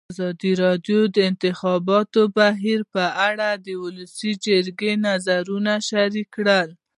ازادي راډیو د د انتخاباتو بهیر په اړه د ولسي جرګې نظرونه شریک کړي.